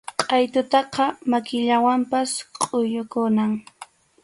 Qʼaytutaqa makillawanpas kʼuyukunam.